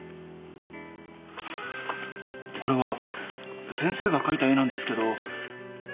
これは先生が描いた絵なんですけど。